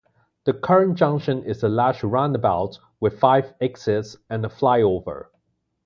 The current junction is a large roundabout with five exits and a flyover.